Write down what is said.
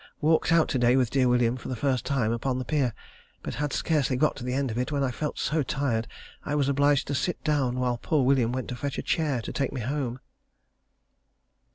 Walked out to day with dear William for the first time upon the pier, but had scarcely got to the end of it, when I felt so tired I was obliged to sit down while poor William went to fetch a chair to take me home.